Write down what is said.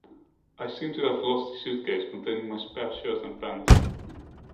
I seem to have lost the suitcase containing my spare shirt and pant.